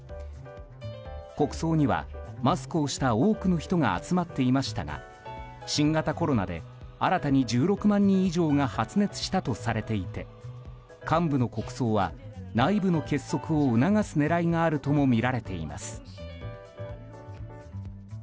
国葬にはマスクをした多くの人が集まっていましたが新型コロナで新たに１６万人以上が発熱したとされていて幹部の国葬は内部の結束を促す狙いがあるともみられています。